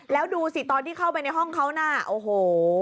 แล้วดูสิตอนที่เข้าไปในห้องเขาน่ะโอ้โห